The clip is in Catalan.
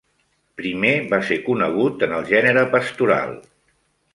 Primer va ser conegut en el gènere pastoral.